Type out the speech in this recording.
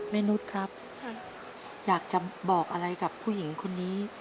นุษย์ครับอยากจะบอกอะไรกับผู้หญิงคนนี้